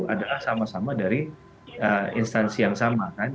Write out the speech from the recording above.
adalah sama sama dari instansi yang sama kan